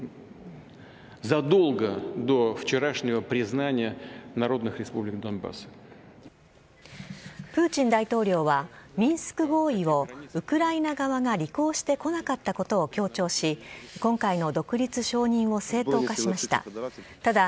プーチン大統領は、ミンスク合意をウクライナ側が履行してこなかったことを強調し、今回の独立承認を正当化しました。